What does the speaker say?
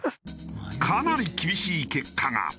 かなり厳しい結果が。